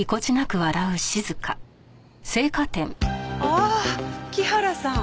ああ木原さん。